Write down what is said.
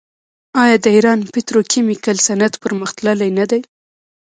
آیا د ایران پتروکیمیکل صنعت پرمختللی نه دی؟